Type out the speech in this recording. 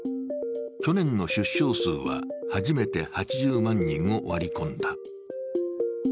去年の出生数は初めて８０万人を割り込んだ。